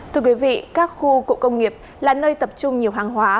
thưa quý vị các khu cụ công nghiệp là nơi tập trung nhiều hàng hóa